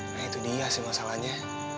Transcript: nah itu dia sih masalahnya